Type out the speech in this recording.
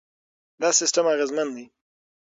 دا سیستم اغېزمن دی.